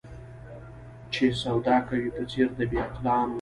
چي سودا کوې په څېر د بې عقلانو